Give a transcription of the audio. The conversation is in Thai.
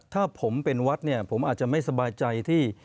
ถ้าผมเป็นวัดเนี่ยผมอาจจะไม่สบายใจที่